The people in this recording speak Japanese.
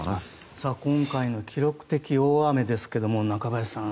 今回の記録的大雨ですが中林さん